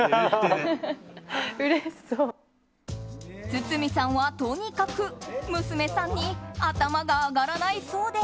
堤さんはとにかく娘さんに頭が上がらないそうで。